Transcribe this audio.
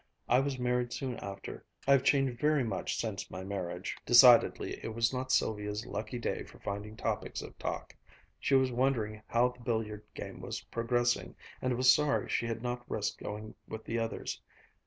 I was married soon after. I've changed very much since my marriage." Decidedly it was not Sylvia's lucky day for finding topics of talk. She was wondering how the billiard game was progressing, and was sorry she had not risked going with the others.